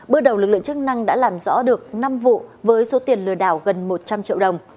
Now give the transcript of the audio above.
bước đầu lực lượng chức năng đã làm rõ được năm vụ với số tiền lừa đảo gần một trăm linh triệu đồng